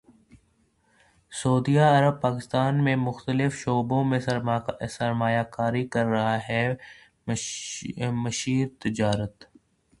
سعودی Arab Pakistan میں مختلف شعبوں میں سرمایہ کاری کر رہا ہے مشیر تجارت